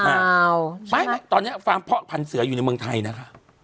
ใช่ไหมตอนนี้ฟาร์มเพาะพันธุ์เสืออยู่ในเมืองไทยนะคะ